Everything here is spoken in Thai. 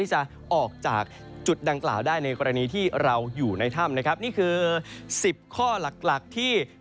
ถ้าหากเราตกอยู่ในสถานการณ์ที่